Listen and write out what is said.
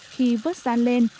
khi vớt da lên